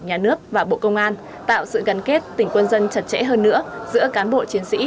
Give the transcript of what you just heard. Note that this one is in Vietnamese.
nhà nước và bộ công an tạo sự gắn kết tỉnh quân dân chặt chẽ hơn nữa giữa cán bộ chiến sĩ